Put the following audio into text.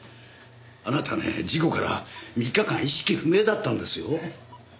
あなたね事故から３日間意識不明だったんですよ？